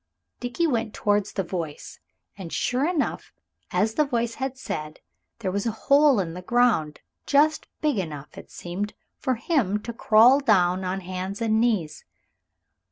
Dickie went towards the voice, and sure enough, as the voice said, there was a hole in the ground, just big enough, it seemed, for him to crawl down on hands and knees.